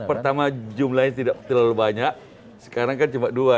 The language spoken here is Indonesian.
pertama jumlahnya tidak terlalu banyak sekarang kan cuma dua